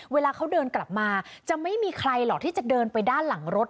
เวลาเขาเดินกลับมาจะไม่มีใครหรอกที่จะเดินไปด้านหลังรถ